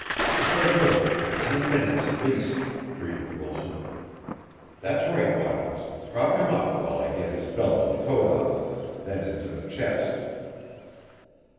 "That'll hold him for ten minutes at least," breathed Wilson. "That's right, Watkins, prop him up while I get his belt and coat off then into the chest."